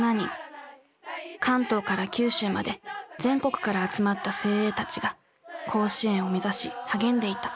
関東から九州まで全国から集まった精鋭たちが甲子園を目指し励んでいた。